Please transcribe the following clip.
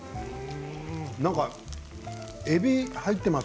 なんかえび入っています？